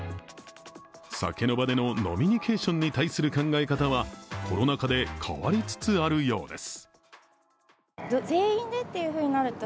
酒の場での飲みニケーションに対する考え方は、コロナ禍で変わりつつあるようです。